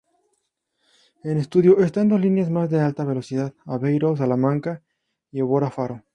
En estudio están dos líneas más de alta velocidad: Aveiro–Salamanca y Évora–Faro.